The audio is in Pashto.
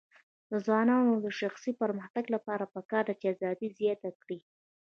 د ځوانانو د شخصي پرمختګ لپاره پکار ده چې ازادي زیاته کړي.